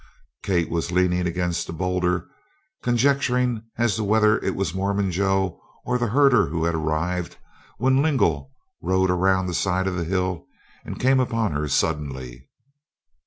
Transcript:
Kate was leaning against the boulder conjecturing as to whether it was Mormon Joe or the herder who had arrived, when Lingle rode around the side of the hill and came upon her suddenly.